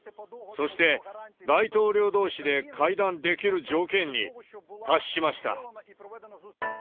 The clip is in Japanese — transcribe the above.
そして、大統領どうしで会談できる条件に達しました。